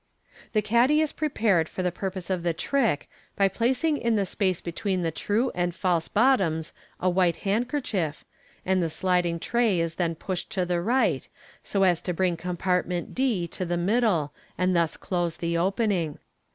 The caddy is prepared for the purpose of the trick by placing in the space between the true and false bottoms a white handkerchief, and the sliding tray is then pushed to the right, so as to bring com partment d to the middle, and thus close the opening.